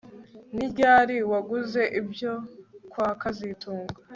Ni ryari waguze ibyo kwa kazitunga